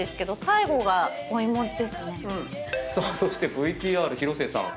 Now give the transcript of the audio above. そしてＶＴＲ広末さん。